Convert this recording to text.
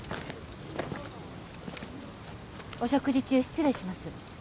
お食事中失礼します。